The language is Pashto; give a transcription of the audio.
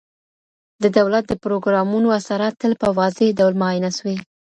د دولت د پروګرامونو اثرات تل په واضح ډول معاینه سوي.